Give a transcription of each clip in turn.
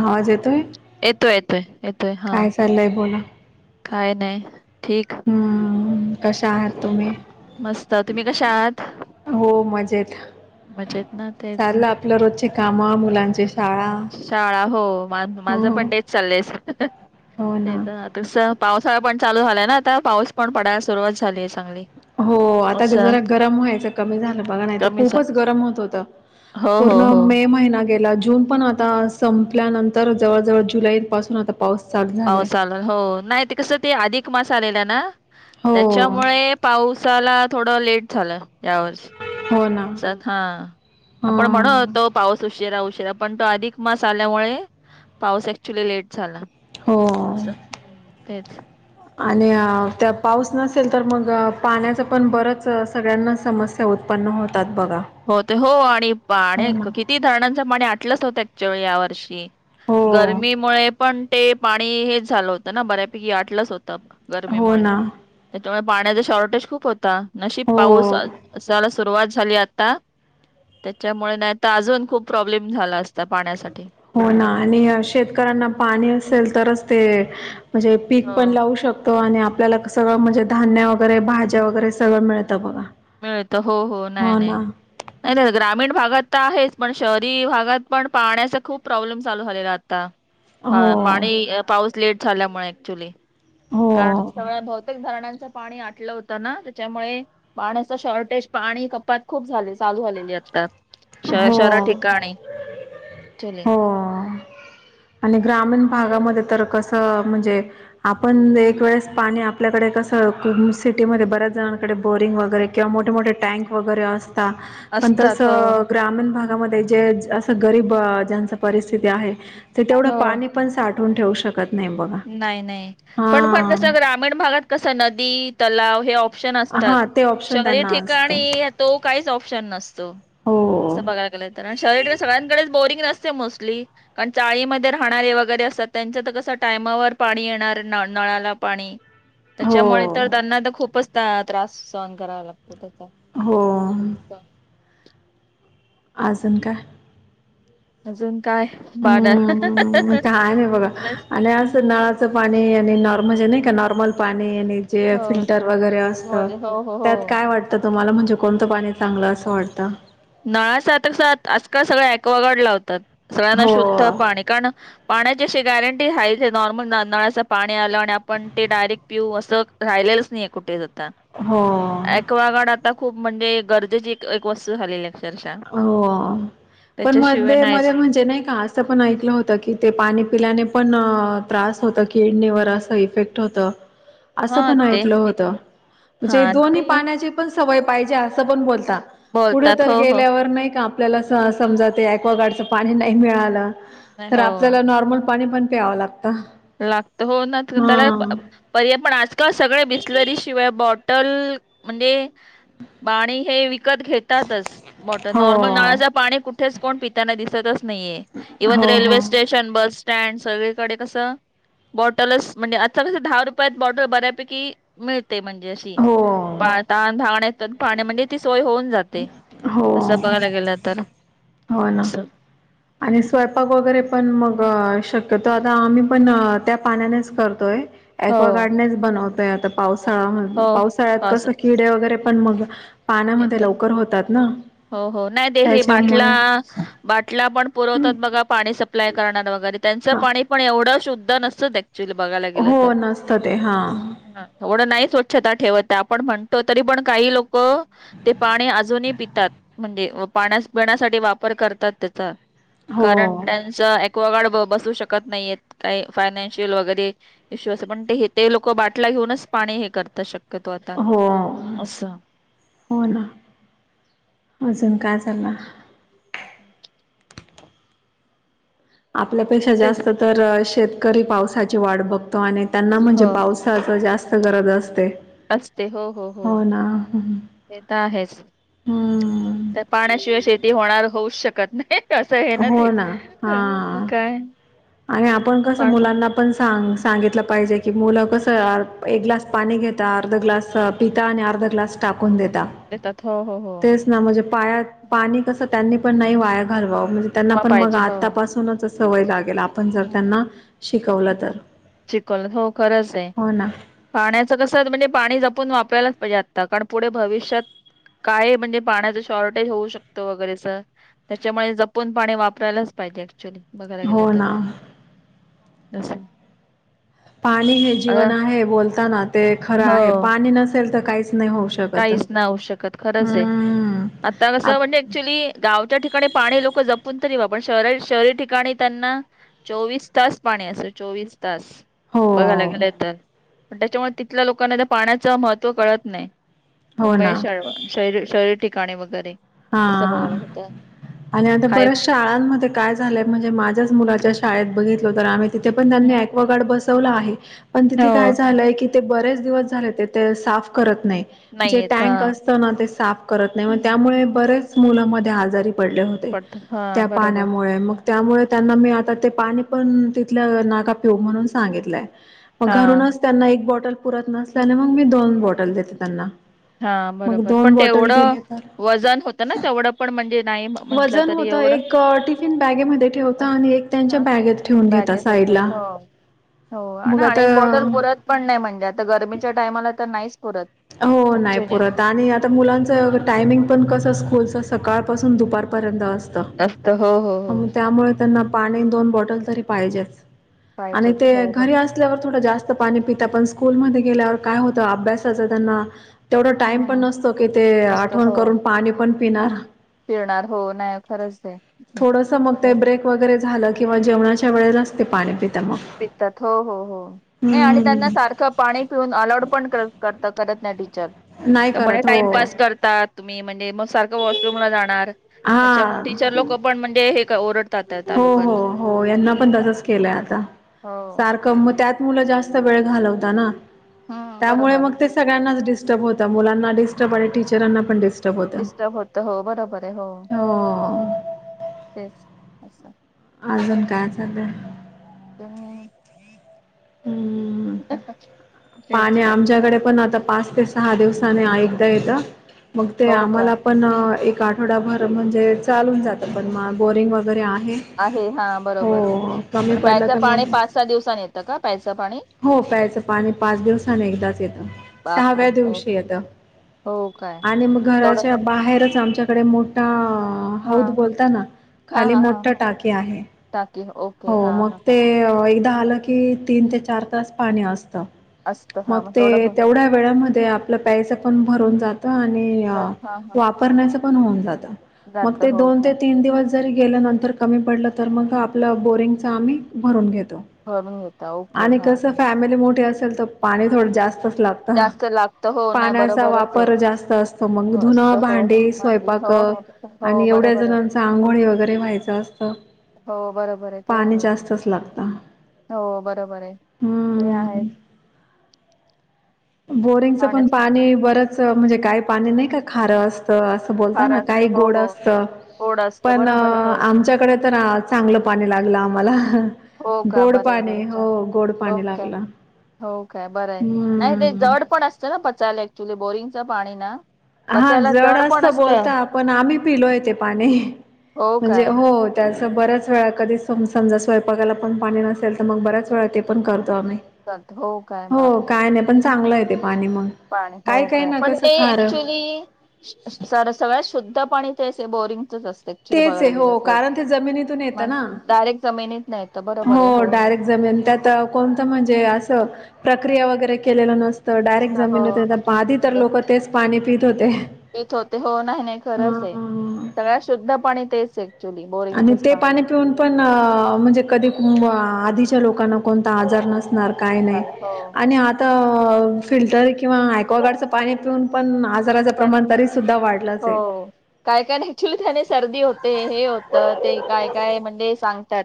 आवाज येतोय येतोय येतोय येतोय हा. काय चाललंय बोला काय नाही ठीक. हम्म कशा आहात तुम्ही मस्त तुम्ही कशा आहात? हो मजेत. मजेत ना तेच चाललं आपलं रोजचे काम मुलांचे शाळा हो मा हो माझं हो पण तेच चाललंय. हो ते ना तर तस पावसाळा पण चालू झालाय ना आता पाऊस पण पडायला सुरुवात झालीय चांगली. हो आता जरा असं गरम व्हायच कमी झालं बघा नाही तर कमीच खूपच गरम होत होत. हो हो पूर्ण हो मे महिना गेला. जून पण आता संपल्यानंतर जवळ जवळ जुलै पासून आता पाऊस चालू झालाय. पाऊस आला हो नाही कस ते अधिक मास आलेला ना हो त्याच्यामुळे पाऊस चला थोडं लेट झालं यावर हो ना चल हा. आपण म्हणत हा होतो पाऊस उशिरा उशिरा पण तो अधिक मास आल्यामुळे पाऊस ऍक्च्युली लेट झाला. हो. हम्म तेच. आणि त्या पाऊस नसेल तर मग पाण्याचं पण बरंच सगळ्यांना समस्या ते उत्पन्न होतात बघा. हो ते हो आणि पाणी हो ना. आणि किती धरणांचं पाणी आटलंच होतं ऍक्च्यु या वर्षी. हो गरमीमुळे पण ते पाणी हेच झालं होतं ना बऱ्यापैकी आटलंच होतं. हो गरमीमुळे ना त्याच्यामुळे पाण्याचा शॉर्टेज खूप होता नशीब हो पाऊस अस सुरुवात झाली आता त्याच्यामुळे नाही तर अजून खूप प्रॉब्लेम झाला असता पाण्यासाठी. हो ना आणि शेतकऱ्यांना पाणी असेल तरच ते म्हणजे पीक हो पण लावू शक आणि आपल्याला सगळं म्हणजे धान्य वगैरे, भाज्या वगैरे सगळं मिळतं बघा. मिळत हो हो. नाही नाही. नाही नाही ग्रामीण भागात तर आहेच, पण शहरी भागात पण पाण्याचा खूप प्रॉब्लेम चालू झालेला आता. ह हो पाणी पाऊस लेट झाल्यामुळे ऍक्च्युली. हो कारण सगळ्या बहुतेक धरणांचं पाणी आटलं होतं ना त्याच्यामुळे पाण्याच शॉर्टेज, पाणी कपात खूप झाले चालू झालेली आता श हो शहरा ठिकाणी चले हो. आणि ग्रामीण भागामध्ये तर कसं म्हणजे आपण एक वेळेस पाणी आपल्याकडे कस सिटीमध्ये बऱ्याच जणांकडे बोरिंग वगैरे किंवा मोठे मोठे टँक वगैरे असतात पण असतात हो तसं ग्रामीण भागामध्ये जे असं गरीब ज्यांच परिस्थिती आहे ते तेवढं हो पाणी पण साठवून ठेवू शकत नाही बघा नाही नाही पण पण कस हा ग्रामीण भागात कस नदी, तलाव हे ऑप्शन असतात. हा ते ऑप्शन शहरी त्यांना असतं ठिकाणी तो काहीच ऑप्शन नसतो. हो. असं बघायला तर आणि शहरी सगळ्यांकडेच बोरिंग नसते मोस्टली. कारण चाळीमध्ये राहणारे वगैरे असतात त्यांच तर कस टायमावर पाणी येणार न नळाला पाणी, त्याच्यामुळे तर हो त्यांना खूपच त्रास सहन करावा लागतो त्याचा. हो. अजून काय? अजून काय? बाड हम्म. मग काही नाही बघा बस आणि असं नळ च पाणी आणि नॉर्मल नाही का नॉर्मल पाणी आणि जे हो फिल्टर वगैरे असत हो हो हो त्यात काय वाट आता तुम्हाला म्हणजे कोणतं पाणी चांगलं असं वाटतं? नळासात सात आजकाल सगळे ॲक्वागाड लावतात. सगळ्यांना हो शुद्ध पाणी कारण पाण्याची अशी गॅरंटी आहे, जे नॉर्मल नळाच पाणी आलं आणि आपण ते डायरेक्ट पिऊ असं राहिलेलंच नाही कुठे आता हो अ‍ॅक्वागार्ड आता खूप म्हणजे गरजेची एक वस्तू झालेली आहे. हो पण त्याच्याशिवाय मध्ये मध्ये नाहीच म्हणजे नाही का असं पण ऐकलं होतं की ते पाणी पिल्याने पण त्रास होतो किडणीवर असं इफेक्ट होतं. असं हा पण ते ऐकलं होत हा म्हणजे दोन्ही ते पाण्याचे पण सवय पाहिजे असं पण बोलता. कुठ बोलतात तर हो. हो. गेल्यावर नाही का आपल्याला हम्म. समजा ते अक्वागार्डच पाणी नाही मिळालं. नाही, तर हो आपल्याला नॉर्मल पाणी पण प्यावं लागतं. लागत हो ना त्याला हा पर्याय पण आजकाल सगळे बिसलेरी शिवाय बॉटल म्हणजे पाणी हे विकत घेतातच. वॉटर नॉर्मल हो नळाच पाणी कुठेच कोण पिताना दिसतच नाहीये इव्हन हो रेल्वे हो स्टेश शन बस स्टँड सगळीकडे कसं? बॉटलच म्हणजे आज कसं दहा रुपयात बॉटल बऱ्यापैकी मिळते म्हणजे हो पा तहान भागण्याचं पाण्यामध्ये म्हणजे ती सोय होऊन जाते. हो तस बघायला गेलं तर हो ना. असं आणि स्वयंपाक वगैरे पण मग शक्यतो आता आम्ही पण त्या पाण्यानेच करतोय. हो अक्वागार्डनेच बनवतय आता पावसाळा हो पावसाळ्यात कस पावसात किडे वगैरे पण मग येतात पाण्यामध्ये लवकर होतात ना त्याच्यामुळे बाटल्या पण पुरवतात बघा पाणी सप्लाय करणार वगैरे त्यांचं हा पाणी च बघाला हो नसतं ते हां. ह थोडं नाही स्वच्छता ठेवत आपण म्हणतो तरी पण काही लोक ते पाणी अजूनही पितात म्हणजे पाण्या पिण्यासाठी वापर करतात त्याचा हो कारण त्यांच अक्वागार्ड बसू शकत नाहीेत काही फायनान्शियल वगैरे इश्यू अस पण ते ते लोक बाटल्या घेऊनच पाणी हे करता शक्यतो आता हो असं. हो ना अजून का चाललं. हो. आपल्यापेक्षा तेच जास्त तर शेतकरी पावसाची वाट बघतो आणि त्यांना म्हणजे हो पाऊस जास्त गरज असते. असते हो हो हो ते तर आहेच. हम्म पाण्याशिवाय शेती होणार होऊच शकत नाही असं हे ना हो ते हा मग काय? आणि आपण कसं पाठ मुलांना पण सांग सांगितलं पाहिजे की मुलं कसं एक ग्लास पाणी घेता अर्ध ग्लास पिता आणि अर्ध ग्लास टाकून देेतता. देतात हो हो हो. म्हणजे पाया पाणी कस त्यांनी पण नाही वाया घरव म्हणजे त्यांना वा पण मग पाहिजे हो आतापासूनच सवय लागेल आपण जर हम्म त्यांना शिकवलं तर चिकल हो खरंच आहे हो ना. पाण्याचं कसं म्हणजे पाणी जपून वापरायलाच पाहिजे आता कारण पुढे भविष्यात काय म्हणजे पाण्याचं शॉर्टेज होऊ शकतं वगैरेच त्याच्यामुळे जपून पाणी वापरायलाच पाहिजे ऍक्च्युअली बघायला गेलं हो तर ना जसं. पाणी हे जीवन आहे बोलताना ते खरं आहे हो पाणी नसेल तर काहीच नाही होऊ शकत. काहीच नाही होऊ शकत खरंच आहे हम्म आ. कसं आप म्हणजे ऍक्च्युली गावच्या ठिकाणी पाणी लोक जपून तरी वापरतात व पण शहरी ठिकाणी त्यांना चोवीस तास पाणी अस अस चोवीस तास हो. घा त्याच्यामुळे तिथल्या लोकांना पाण्याचं महत्व कळत नाही. हो ना मुंबई शरी शरीर ठिकाणी वगैरे हा तसं बघायला होतं आणि आता हाय बऱ्याच शाळांमध्ये काय झालंय म्हणजे माझ्याच मुलाच्या शाळेत बघितल तर आम्ही तिथे पण त्यांनी हम्म. एक्वागार्ड बसवला आहे. पण हो तिथे काय झालंय की ते बरेच दिवस झाले ते ते साफ करत नाही. नाही जे येत हा टँक असत ना ते साफ करत नाही त्यामुळे बरेच मुलामध्ये आजारी पडले होते. पडत हा त्या बरोबर पाण्यामुळे मग त्यामुळे त्यांना मी आता ते पाणी पण तिथल्या नका पिऊ म्हणून सांगितलंय मग हा घरूनच त्यांना एक बॉटल पुरत नसल्याने मग मी दोन बॉटल देते त्यांना हा मग बरोबर दोन पण ते बॉटल एवढं दिले तर वजन होत. वजन होत एवढं एक टिफिन बॅगेमध्ये ठेवत आणि एक त्यांच्या हा बॅगेत ठेवून घेता बॅगेत साईड होतं ला हो हो ना आणि एक बॉटल पुरत पण नाही म्हणजे आता गर्मीच्या टायमाला तर नाहीच पुरत हो नाही ऍक्च्युली. पुरत आणि आता मुलांचं टायमिंग पण कसं स्कूलचं सकाळपासून दुपारपर्यंत असतं. असतं हो हो हो. त्यामुळे त्यांना पाणी दोन बॉटल तरी पाहिजेच आणि पाहिजे ते हो ब घरी अस असल्यावर थोडं जास्त पाणी पिता पण स्कूल मध्ये गेल्यावर काय होत अभ्यासाच त्यांना तेवढा टाइम पण हम्म नसतो की ते मस्त आठवण हो करून पाणी पण पिणार फिरणार हो नाही खरच दे थोडंसं मग ते ब्रेक वगैरे झालं किंवा जेवणाच्या वेळेलाचते पाणी पिता मग हो नाही आणि हम्म. त्यांना सारख पाणी पिऊन अलरड पण कर करत नाही टीचर नाही त्यामुळे करत हो टाइमपस करतात. तुम्ही म्हणजे मग सारखं वॉशरूम ला जाणार अच्छा मग हा टीचर लोक पण म्हणजे हे काय ओरडतात त्यालोकांना केल्या आता. हो. त्यात मग मुलं ज्यास्त वेळ घालवता ना हम्म त्यामुळे बरोबर मग सग्यांनाच डिस्टब होता मुलांना डिस्टब आणि टीचरांना पण डस्टब डिस्टब होत हो बरोबर आहे हो ह.. तेच अस. अजून काय चालंय? ह. हम्म पाणी आमच्याकडे पण आता पाच ते सहा दिवसाने एकदा येतं मग ते हो का आम्हाला पण एक आठवडाभर म्हणजे चालून जातं पण म बोरिंग वगैरे आहे आहे हा बरोबर हो कमी पण पडलं प्यायचं तर पाणी मग पाच सहा दिवसनी येतं का प्यायचं पाणी? हो प्यायचं पाणी पाच दिवसान एकदाच येतं सहाव्या बापरे हो दिवशी येतं. हो काय आणि मग तेवढं घराच्या बाहेरच आमच्याकडे मोठा हा हौद बोलताना हा खाली हा हा मोठा हा टाकी आहे. टाकी ओके हो हा मग हा हा ते एकदा आलं की तीन ते चार तास पाणी असत. असतं हा मग ते तेवढं बघ तेवढ्या वेळामध्ये आपलं प्यायचं पण भरून जातं आणि हा हा वापरण्याचं पण होऊन जातं. मग जात ते हो दोन का ते तीन दिवस जरी गेलं नंतर कमी पडलं तर मग आपलं बोरिंगच आम्ही भरून घेतो भरून घेता ओके आणि हा कसं हा. फॅमिली मोठी असेल तर पाणी थोडं जास्तच लागतं जास्त लागत हो नाही पाण्याचा बरोबरच आहे वापर जास्त असतो मग हो धुनं, असतं हो हो भांडे, मांडली स्वयंपाक हो हो हो आणि एवढ्या बरोबर आहे जणांच आंघोळी वगैरे व्हायचं असतं. हो बरोबर आहे. ते पाणी आहे जास्तच लागतं. हो बरोबर आहे ते आहे. हम्म. बोरिंगचं पण पाण्याचा पाणी बरंच म्हणजे काही पाणी नाही का खारं असत. अस बोलता खार ना असतं काही हो गोड हो असत गोड असतं पण बरोबर आहे हो आमच्याकडे तर चांगलं पाणी लागलं आम्हाला. हो काय गोड बर आहे बर पाणी आहे हो गोड पाणी लागलं. हो का बर आहे नाही ते हम्म. जाड पण असतं ना पचायला ऍक्च्युली बोरिंगच पाणी ना हा पचायला जड पण असत असतं बोलता आपण आम्ही पिलो आहे तेे पाणी हो म्हणजे काय हो त्यासं बऱ्याच वेळा कधी स समजा स्वयंपाकाला पण पाणी नसेल तर मग बऱ्याच वेळा ते पण करतो आम्ही. चालत हो काय हो बापरे काय नाही पण चांगलं येत पाणी म. हो काय पण ते क्च्युली सगळ्यात शुद्ध पाणी ते बोरिंगच असते. तसं जर तेच आहे बघायला गेले हो तर कारण जमिनीतून येतं ना. ते डायरेक्ट जमिनीतन येते. हो डायरेक्ट जमीन त्यात कोणतं म्हणजे असं प्रक्रिया वगैरे केलेलं नसत. तर डायरेक्ट जमीनी हो आधी तर लोक तेच पाणी पित होते. तेच होते हो नाही नाही हा खरंच आहे हा सगळ्यात शुद्धपणी तेच ये. आणि ते पाणी. न पण म्हणजे कधी आधीच्या लोकांना कोणता आजार नसणार काय नाही चालेल हो आणि आता फिल्टर किंवा यक्वागार्डचं पाणी पिऊन पण आजाराचं पण प्रमाण तरी सुद्धा वाढलंच आहे. हो. काय काय ऍक्च्युली त्याने सर्दी होते हे होतं ते काय काय म्हणजे सांगतात.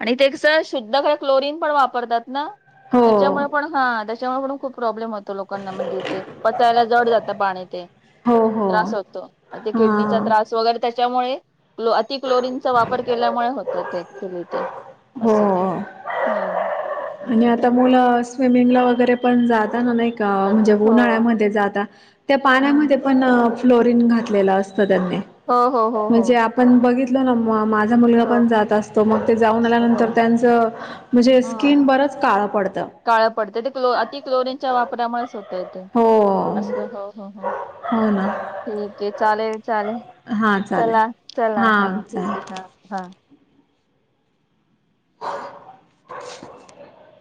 आणि ते शुद्धकडे क्लोरन पण वापरतात ना हो त्याच्यामुळे पण हा त्याच्यामुळे पण खूप प्रॉब्लेम होतो लोकांना म्हणजे ते पचायला जड जातं पाणी ते. हो हो त्रास होतो आणि ते किडनीचा हा. त्रास वगैरे त्याच्यामुळे लो अति क्लोरीनचा वापर केल्यामुळे होत ते ऍक्चुली ते हो अस. हा. आणि आता मुलं स्विमिंगला वगैरे पण जाता ना नाही का जातात. म्हणजे हो उन्हाळ्यामध्ये जातात त्या हम्म पाण्यामध्ये पण फ्लोरन घातलेलं असतं त्यांनी. हो हो हो हो. पण बघितल ना मग माझ माझा मुलगा हो. पण जात असतो मग ते जाऊन असत हो आल्यानंतर त्यांच म्हणजे अस बराच काळ पडत. काळ पडतं ते क्लो अति क्लोरीनच्या वापरामुळेच होत. य हो असं हं हं हो ना ठीक आहे चालेलं चालेलं. हां चालेल चला चला हा हां ठीक चालेल ये हा हा. [unintelligible]